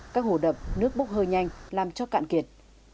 các hồ đập nước bốc hơi nhanh làm cho cạn kiệt